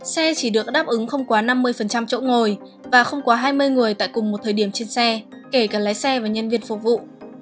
xe chỉ được đáp ứng không quá năm mươi chỗ ngồi và không quá hai mươi người tại cùng một thời điểm trên xe kể cả lái xe và nhân viên phục vụ